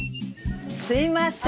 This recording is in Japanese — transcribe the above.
すいません。